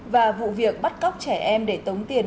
và vụ việc bắt cóc trẻ em để tống tiền